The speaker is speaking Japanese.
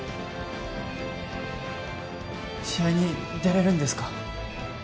試合に出れるんですか？